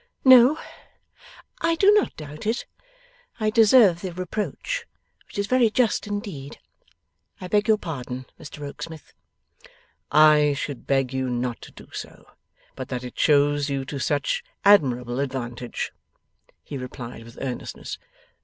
'No, I do not doubt it. I deserve the reproach, which is very just indeed. I beg your pardon, Mr Rokesmith.' 'I should beg you not to do so, but that it shows you to such admirable advantage,' he replied with earnestness.